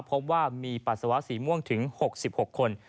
พบว่ามีปัสสาวะสีม่วงถึง๖๖คน